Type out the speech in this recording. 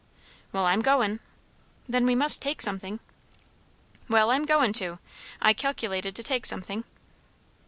"Well, I'm goin'!" "Then we must take something." "Well; I'm goin' to. I calculated to take something."